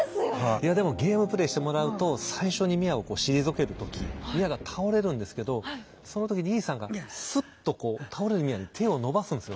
いやでもゲームプレイしてもらうと最初にミアをこう退ける時ミアが倒れるんですけどその時にイーサンがスッとこう倒れるミアに手を伸ばすんですよ。